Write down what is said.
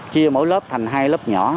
chia mỗi lớp thành hai lớp nhỏ